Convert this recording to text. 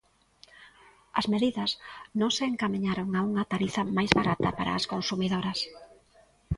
As medidas non se encamiñaron a unha tarifa máis barata para as consumidoras.